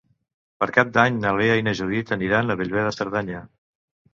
Per Cap d'Any na Lea i na Judit aniran a Bellver de Cerdanya.